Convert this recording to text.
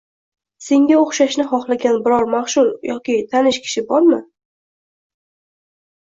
Sen o‘xshashni xohlagan biror mashhur yoki tanish kishi bormi?